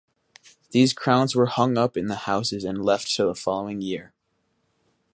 These crowns were hung up in the houses and left till the following year.